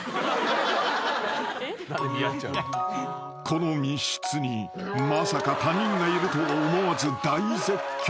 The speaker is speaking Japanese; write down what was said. ［この密室にまさか他人がいるとは思わず大絶叫］